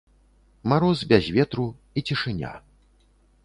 Мароз без ветру, і цішыня.